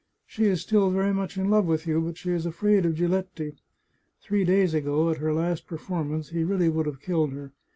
She is still very much in love with you, but she is afraid of Giletti. Three days ago, at her last performance, he really would have killed her.